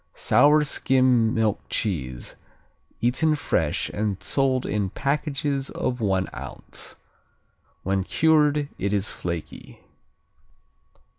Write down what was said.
Sour skim milk cheese, eaten fresh and sold in packages of one ounce. When cured it is flaky.